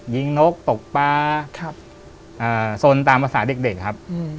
นกตกปลาสนตามภาษาเด็กครับ